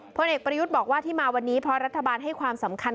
พลเอกประยุทธ์บอกว่าที่มาวันนี้เพราะรัฐบาลให้ความสำคัญ